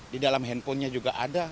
di dalam handphonenya juga ada